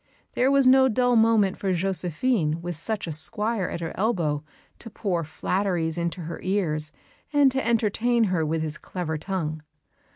There was no dull moment for Josephine with such a squire at her elbow to pour flatteries into her ears and to entertain her with his clever tongue.